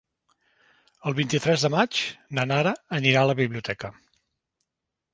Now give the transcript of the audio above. El vint-i-tres de maig na Nara anirà a la biblioteca.